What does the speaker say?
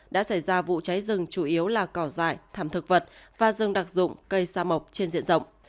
đã xảy ra vụ cháy rừng chủ yếu là cỏ dại thảm thực vật và rừng đặc dụng cây sa mộc trên diện rộng